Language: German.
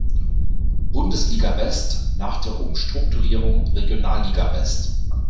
Bundesliga West, nach der Umstrukturierung Regionalliga-West.